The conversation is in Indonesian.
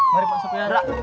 mari pak sopiara